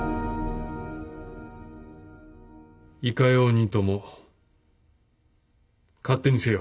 いかようにとも勝手にせよ。